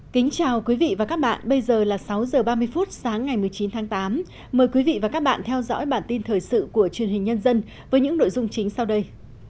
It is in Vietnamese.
chào mừng quý vị đến với bản tin thời sự của truyền hình nhân dân với những nội dung chính sau đây